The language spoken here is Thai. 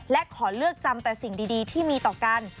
และขอเลือกจำแต่สิ่งดีที่มีต่อกัน